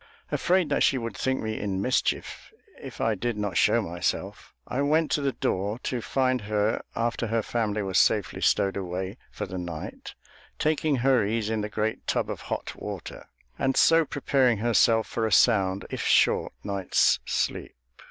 Afraid that she would think me in mischief if I did not show myself, I went to the door, to find her, after her family was safely stowed away for the night, taking her ease in the great tub of hot water, and so preparing herself for a sound, if short, night's sleep.